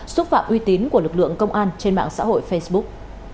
xúc phạm uy tín của lực lượng công an trên mạng xã hội facebook